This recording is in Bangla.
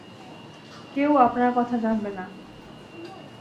কেউ আপনার কথা জানবে না।